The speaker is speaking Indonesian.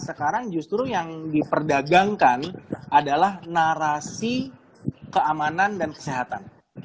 sekarang justru yang diperdagangkan adalah narasi keamanan dan kesehatan